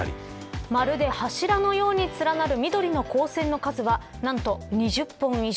まるで柱のように連なる緑の光線の数は何と２０本以上。